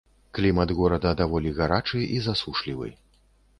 Клімат горада даволі гарачы і засушлівы.